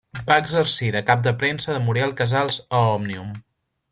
Va exercir de cap de premsa de Muriel Casals a Òmnium.